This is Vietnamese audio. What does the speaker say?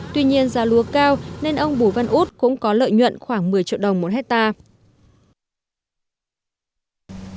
tuy nhiên giá lúa cao nên ông bù văn út cũng có lợi nhuận khoảng một mươi triệu đồng một hectare